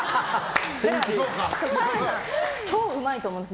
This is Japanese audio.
澤部さん、超うまいと思うんです。